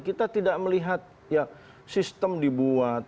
kita tidak melihat sistem dibuat